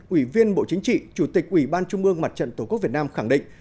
ủy viên bộ chính trị chủ tịch ủy ban trung mương mặt trận tổ quốc việt nam khẳng định